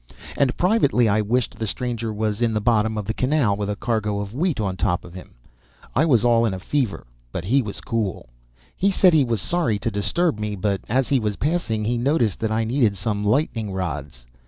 And privately I wished the stranger was in the bottom of the canal with a cargo of wheat on top of him. I was all in a fever, but he was cool. He said he was sorry to disturb me, but as he was passing he noticed that I needed some lightning rods.